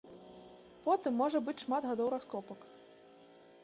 Потым можа быць шмат гадоў раскопак.